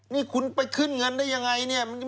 นี่คุณไปขึ้นเงินได้ยังไงเนี่ย